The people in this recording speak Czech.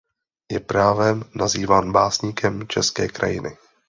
Je právem nazýván „básníkem české krajiny“.